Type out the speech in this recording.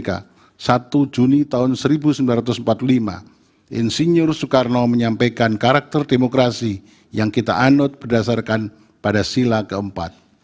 pada satu juni tahun seribu sembilan ratus empat puluh lima insinyur soekarno menyampaikan karakter demokrasi yang kita anut berdasarkan pada sila keempat